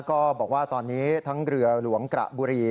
ก็บอกว่าตอนนี้ทั้งเรือหลวงกระบุรี